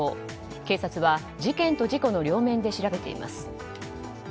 警察は、事件と事故の両面で調べています。